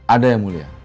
ada yang mulia